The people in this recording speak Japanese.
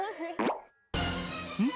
「うん？